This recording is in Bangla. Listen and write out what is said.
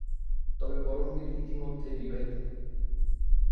তবে পরমবীর ইতিমধ্যে বিবাহিত।